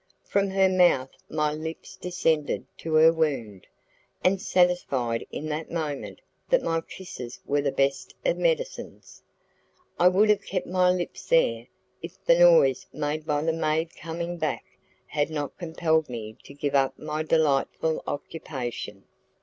From her mouth my lips descended to her wound, and satisfied in that moment that my kisses were the best of medicines, I would have kept my lips there, if the noise made by the maid coming back had not compelled me to give up my delightful occupation.